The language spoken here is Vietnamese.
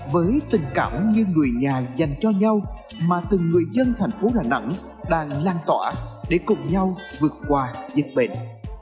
với tình cảm như người nhà dành cho nhau mà từng người dân thành phố đà nẵng đang lan tỏa để cùng nhau vượt qua dịch bệnh